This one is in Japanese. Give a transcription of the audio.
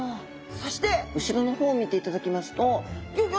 そして後ろの方を見ていただきますとギョギョッとびっくり！